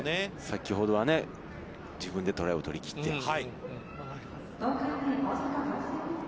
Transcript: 先ほどは自分でトライを取り切って。